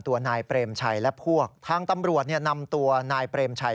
นายเปรมชัยและพวกทางตำรวจเนี่ยนำตัวนายเปรมชัย